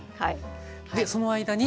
でその間に。